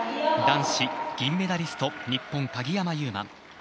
男子銀メダリスト日本・鍵山優真。